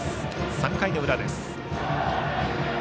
３回の裏です。